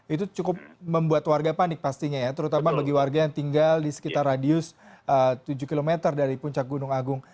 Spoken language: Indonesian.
itu cukup membuat warga panik pastinya ya terutama bagi warga yang tinggal di sekitar radius tujuh km dari puncak gunung agung